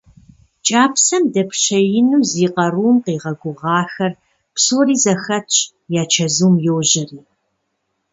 КӀапсэм дэпщеину зи къарум къигъэгугъэхэр псори зэхэтщ, я чэзум йожьэри.